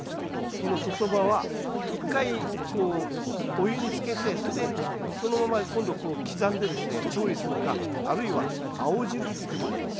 この外葉は一回こうお湯につけてそれでそのまま今度こう刻んでですね調理するかあるいは青汁っていう手もあります。